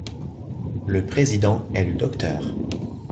Le président est le Dr.